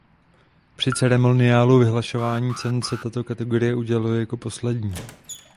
Při ceremoniálu vyhlašování cen se tato kategorie uděluje jako poslední.